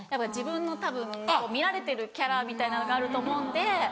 自分のたぶん見られてるキャラみたいなのがあると思うんで。